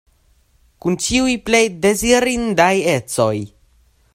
Kun ĉiuj plej dezirindaj ecoj.